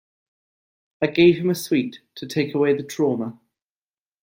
I gave him a sweet, to take away the trauma.